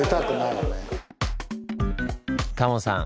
タモさん